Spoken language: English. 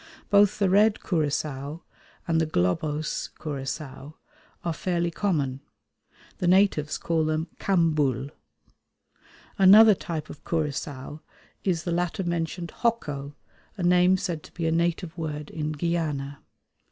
Both the red curassow and the globose curassow are fairly common; the natives call them kambūl. Another type of curassow is the latter mentioned hocco, a name said to be a native word in Guiana.